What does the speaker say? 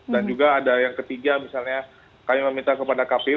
dan juga ada yang ketiga misalnya kami meminta kepada kpu